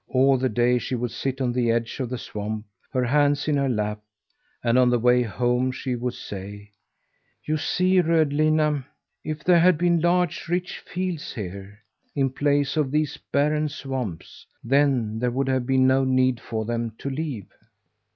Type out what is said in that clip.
All day she would sit on the edge of the swamp, her hands in her lap; and on the way home she would say: "You see, Rödlinna, if there had been large, rich fields here, in place of these barren swamps, then there would have been no need for them to leave."